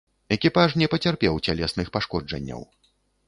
Экіпаж не пацярпеў цялесных пашкоджанняў.